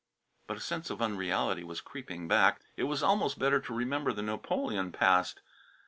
But a sense of unreality was creeping back. It was almost better to remember the Napoleon past.